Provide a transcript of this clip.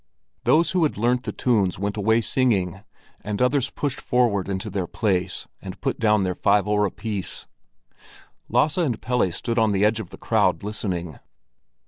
Those who had learnt the tunes went away singing, and others pushed forward into their place and put down their five öre piece. Lasse and Pelle stood on the edge of the crowd listening.